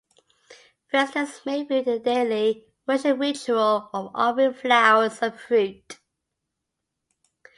Visitors may view the daily worship ritual of offering flowers or fruit.